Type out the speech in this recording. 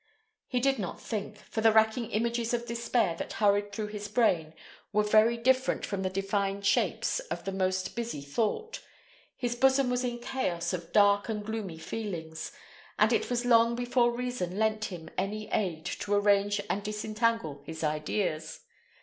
He did not think; for the racking images of despair that hurried through his brain were very different from the defined shapes of the most busy thought. His bosom was a chaos of dark and gloomy feelings, and it was long before reason lent him any aid to arrange and disentangle his ideas.